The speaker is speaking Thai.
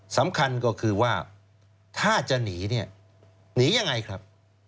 สำคัญก็คือว่าถ้าจะหนีเนี่ยหนียังไงครับ